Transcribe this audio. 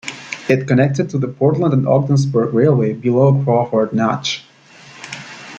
It connected to the Portland and Ogdensburg Railway below Crawford Notch.